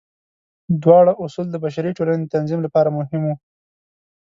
دواړه اصول د بشري ټولنې د تنظیم لپاره مهم وو.